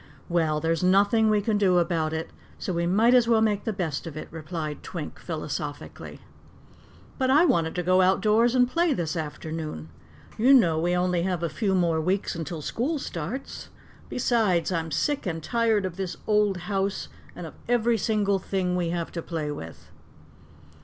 "Well, there's nothing we can do about it so we might as well make the best of it," replied Twink philosophically. "But I wanted to go outdoors and play this afternoon you know we have only a few more weeks until school starts. Besides, I'm sick and tired of this old house and of every single thing we have to play with."